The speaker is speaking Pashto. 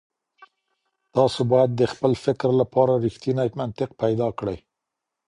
تاسو بايد د خپل فکر لپاره رښتينی منطق پيدا کړئ.